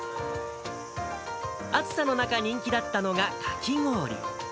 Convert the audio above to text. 暑さの中、人気だったのがかき氷。